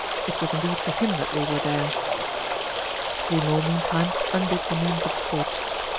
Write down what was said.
It was indeed for him that they were there. Grimaud, meantime, undid the means of escape.